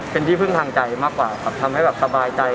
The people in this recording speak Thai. เป็นที่พึ่งทางใจมากกว่าครับทำให้แบบสบายใจ